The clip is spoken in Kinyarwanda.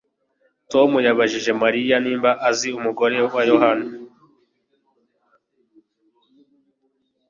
Tom yabajije Mariya niba azi umugore wa Yohana